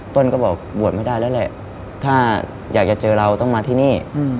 ก็บอกบวชไม่ได้แล้วแหละถ้าอยากจะเจอเราต้องมาที่นี่